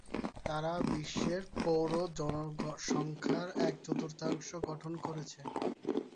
তারা বিশ্বের পৌর জনসংখ্যার এক-চতুর্থাংশ গঠন করেছে।